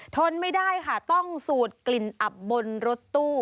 ทนไม่ได้ค่ะต้องสูดกลิ่นอับบนรถตู้